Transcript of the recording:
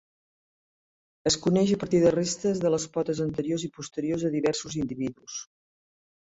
Es coneix a partir de restes de les potes anteriors i posteriors de diversos individus.